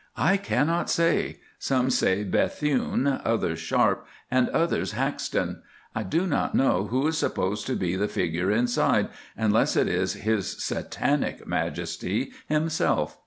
"I cannot say; some say Bethune, others Sharpe, and others Hackston; I do not know who is supposed to be the figure inside, unless it is his Satanic Majesty himself.